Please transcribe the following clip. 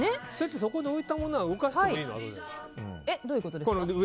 そこに置いたのは動かしてもいいの？